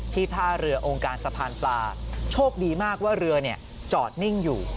ท่าเรือองค์การสะพานปลาโชคดีมากว่าเรือจอดนิ่งอยู่